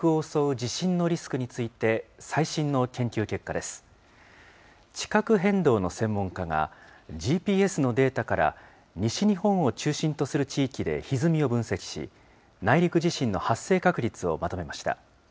地殻変動の専門家が、ＧＰＳのデータから、西日本を中心とする地域でひずみを分析し、内陸地震の発生確率をまとめました。